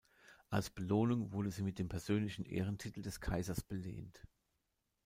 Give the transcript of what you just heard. Als Belohnung wurde sie mit dem persönlichen Ehrentitel des Kaisers belehnt.